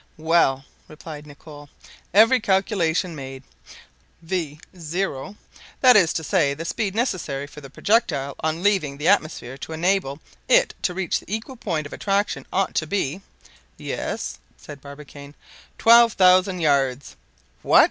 "Well!" replied Nicholl; every calculation made, v zero, that is to say, the speed necessary for the projectile on leaving the atmosphere, to enable it to reach the equal point of attraction, ought to be—" "Yes?" said Barbicane. "Twelve thousand yards." "What!"